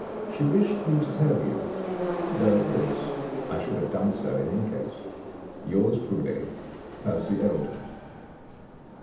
She wished me to tell you, though, of course, I should have done so in any case. — Yours truly, "Percy Oldham."